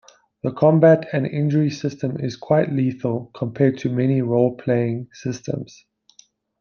The combat and injury system is quite lethal, compared to many roleplaying systems.